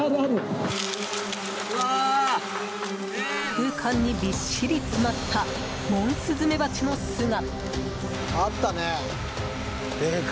空間にびっしり詰まったモンスズメバチの巣が。